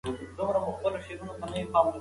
موږ باید د علمي حقایقو په رڼا کې ژوند وکړو.